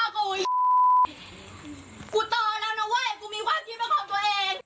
กูโตแล้วนะเว้ยกูมีความคิดว่าของตัวเอง